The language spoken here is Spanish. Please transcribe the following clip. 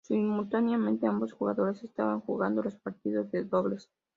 Simultáneamente, ambos jugadores estaban jugando los partidos de dobles.